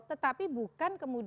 tetapi bukan kemampuan